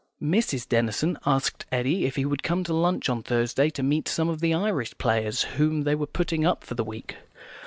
Mrs. Denison asked Eddy if he would come to lunch on Thursday to meet some of the Irish players, whom they were putting up for the week.